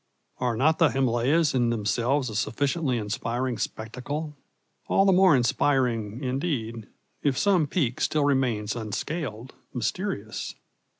Are not the Himalayas in themselves a sufficiently inspiring spectacle all the more inspiring, indeed, if some peak still remains unscaled, mysterious?